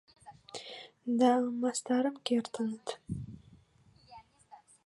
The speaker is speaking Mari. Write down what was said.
— Да-а... мастарын кертыныт.